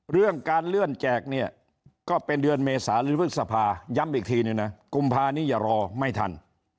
เรื่องการเลื่อนแจกเนี่ยก็เป็นเดือนเมษาหรือพฤษภาย้ำอีกทีนึงนะกุมภานี้อย่ารอไม่ทัน